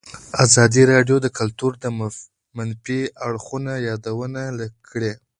ازادي راډیو د کلتور د منفي اړخونو یادونه کړې.